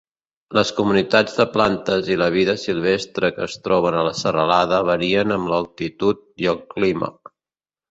Les comunitats de plantes i la vida silvestre que es troben a la serralada varien amb l'altitud i el clima.